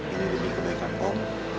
ini lebih kebaikan bung